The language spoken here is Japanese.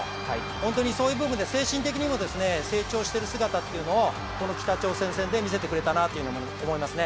本当にそういう部分で精神的にも成長している姿というのをこの北朝鮮戦で見せてくれたなと思いますね。